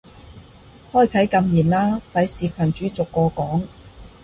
開啟禁言啦，費事群主逐個講